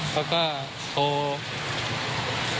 เขาก็โทร